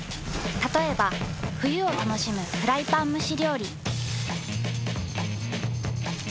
たとえば冬を楽しむフライパン蒸し料理。